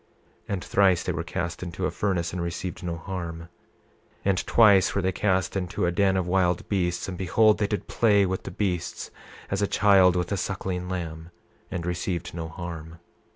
28:21 And thrice they were cast into a furnace and received no harm. 28:22 And twice were they cast into a den of wild beasts; and behold they did play with the beasts as a child with a suckling lamb, and received no harm.